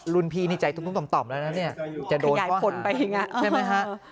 รุ่นพี่ในใจต้มตอบแล้วนะเนี่ยจะโดนข้อหา